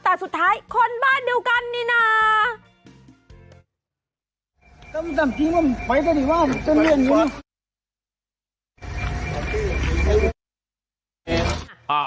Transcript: แต่สุดท้ายคนบ้านเดียวกันนี่นะ